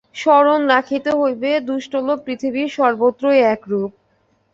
স্মরণ রাখিতে হইবে, দুষ্টলোক পৃথিবীর সর্বত্রই একরূপ।